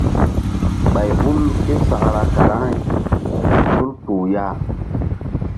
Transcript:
Ɓay hul ké sakra karaŋri kan tul kpuh ya.